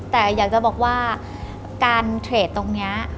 แต่อยากจะบอกว่าการเทรดตรงนี้